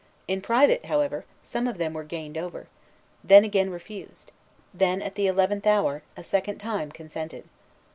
In private, however, some of them were gained over; then again refused; then, at the eleventh hour, a second time consented.